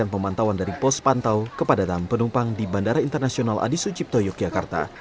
pemantauan dari pos pantau kepadatan penumpang di bandara internasional adi sucipto yogyakarta